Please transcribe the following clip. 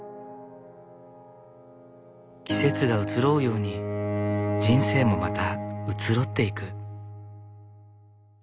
季節が移ろうように人生もまた移ろっていく。